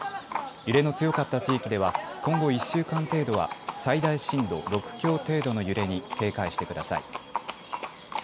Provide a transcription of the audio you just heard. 揺れの強かった地域では、今後１週間程度は、最大震度６強程度の揺れに警戒してください。